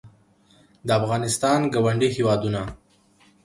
د افغانستان ګاونډي هېوادونه